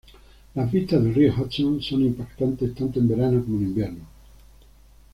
Las vistas del río Hudson son impactantes tanto en verano como en invierno.